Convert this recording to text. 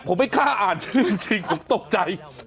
ผมไม่กล้าอ่านชื่อจริงผมตกใจ